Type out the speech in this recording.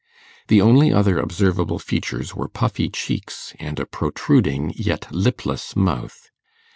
The only other observable features were puffy cheeks and a protruding yet lipless mouth.